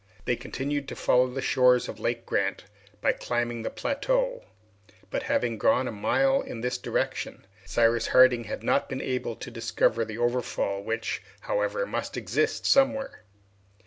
They continued then to follow the shores of Lake Grant by climbing the plateau; but, after having gone a mile in this direction, Cyrus Harding had not been able to discover the overfall, which, however, must exist somewhere.